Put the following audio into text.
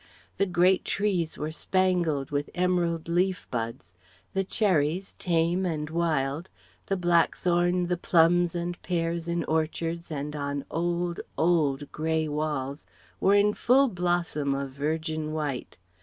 The great trees were spangled with emerald leaf buds; the cherries, tame and wild, the black thorn, the plums and pears in orchards and on old, old, grey walls, were in full blossom of virgin white.